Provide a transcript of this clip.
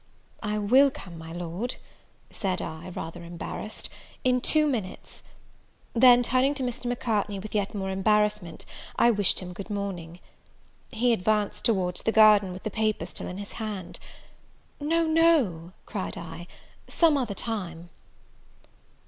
"I will come, my Lord," said I, rather embarrassed, "in two minutes." Then, turning to Mr. Macartney, with yet more embarrassment, I wished him good morning. He advanced towards the garden, with the paper still in his hand. "No, no," cried I, "some other time."